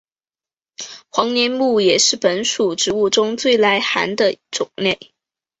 黄连木也是本属植物中最耐寒的种类。